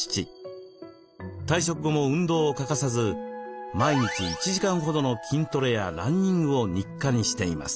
退職後も運動を欠かさず毎日１時間ほどの筋トレやランニングを日課にしています。